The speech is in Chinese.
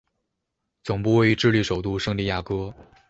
总部位于智利首都圣地亚哥。